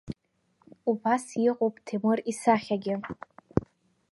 Убас иҟоуп Ҭемыр исахьагьы…